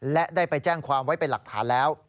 และได้ไปแจ้งความไว้เป็นหลักฐานแล้ว